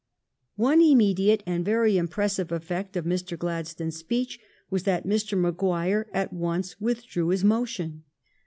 One immediate and very impressive effect of Mr. Gladstone's speech was that Mr. Maguire at once withdrew his motion.